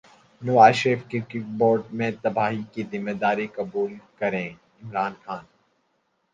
نواز Sharif cricket board میں تباہی کی ذمہ داری قبول کریں عمران خان